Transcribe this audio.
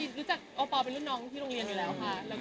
เรารู้ว่าน้องเขาเป็นคนแบบน่ารักอยู่แล้ว